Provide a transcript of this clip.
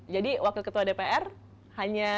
jadi wakil ketua dpr hanya